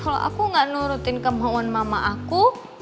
kalo aku gak nurutin kemauan mama aku